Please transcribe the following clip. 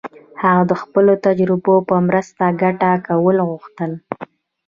هغه د خپلو تجربو په مرسته ګټه کول غوښتل.